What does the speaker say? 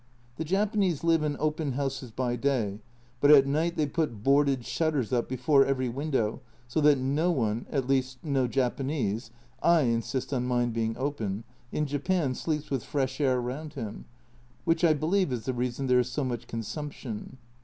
The Japanese live in open houses by day, but at night they put boarded shutters up before every window, so that no one (at least no Japanese, / insist on mine being opened) in Japan sleeps with fresh air round him, which, I believe, is the reason there is so much consumption.